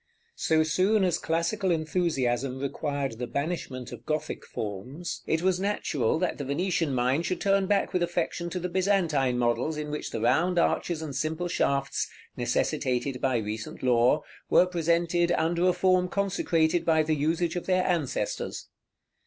So soon as the classical enthusiasm required the banishment of Gothic forms, it was natural that the Venetian mind should turn back with affection to the Byzantine models in which the round arches and simple shafts, necessitated by recent law, were presented under a form consecrated by the usage of their ancestors.